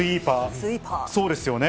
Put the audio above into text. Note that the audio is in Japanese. そうですよね。